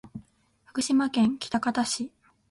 福島県喜多方市